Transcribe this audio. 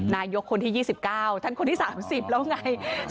นายกคนที่๒๙ท่านคนที่๓๐แล้วไง